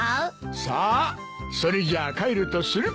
さあそれじゃあ帰るとするか。